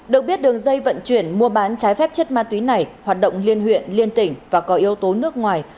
được biết đường dây vận chuyển mua bán trái phép chất ma túy này hoạt động liên huyện liên tỉnh và có yếu tố nước ngoài